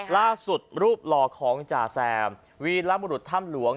ล่าสุดรูปหล่อของจาแซมวีรับบรุษถ้ำหลวง